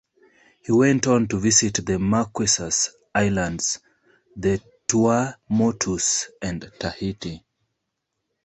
He went on to visit the Marquesas Islands, the Tuamotus, and Tahiti.